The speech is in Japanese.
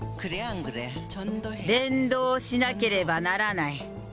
伝道しなければならない。